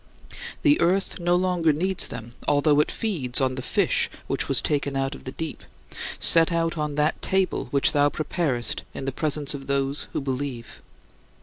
"The earth" no longer needs them, although it feeds on the Fish which was taken out of the deep, set out on that table which thou preparest in the presence of those who believe.